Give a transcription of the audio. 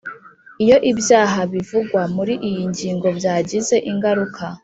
Iyo ibyaha bivugwa muri iyi ngingo byagize ingaruka